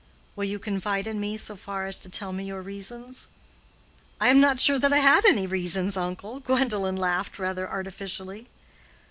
"Will you confide in me so far as to tell me your reasons?" "I am not sure that I had any reasons, uncle." Gwendolen laughed rather artificially.